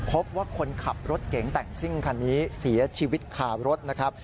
พบว่าคนขับรถเก๋งแต่งซิ่งคันนี้เสียชีวิตคารถนะครับ